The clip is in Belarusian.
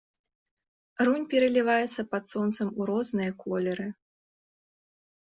Рунь пераліваецца пад сонцам у розныя колеры.